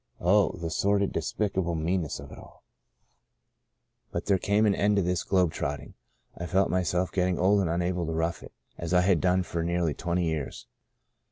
Oh I the sordid, despicable mean ness of it all 1 But there came an end to this globe trot ting. I felt myself getting old and unable to rough it, as I had done for nearly twenty years.